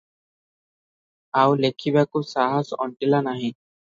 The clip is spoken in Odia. ଆଉ ଲେଖିବାକୁ ସାହାସ ଅଣ୍ଟିଲା ନାହିଁ ।